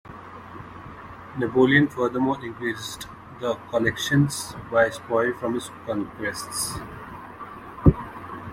Napoleon furthermore increased the collections by spoil from his conquests.